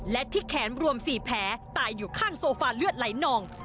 และที่แขนรวม๔แผลตายอยู่ข้างโซฟาเลือดไหลนอง